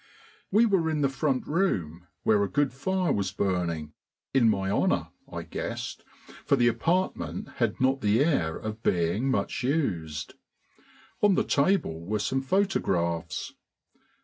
We were in the front room where a good fire was burning in my honour, I guessed, for the apartment had not the air of being much used. On the table were some photographs.